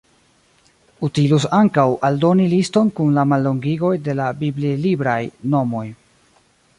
Utilus ankaŭ aldoni liston kun la mallongigoj de la bibli-libraj nomoj.